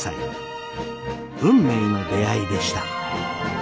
運命の出会いでした。